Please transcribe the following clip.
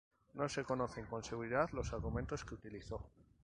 No se conocen con seguridad los argumentos que utilizó.